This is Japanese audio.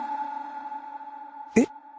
えっ？